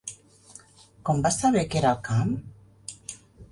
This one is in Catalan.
Com vas saber que era el camp?